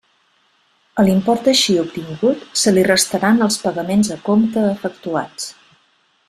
A l'import així obtingut se li restaran els pagaments a compte efectuats.